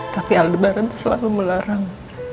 tapi aldebaran selalu melarang